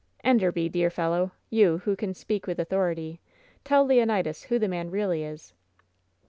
"Enderby, dear fellow! You, who can speak with authority, tell Leonidas who the man really is."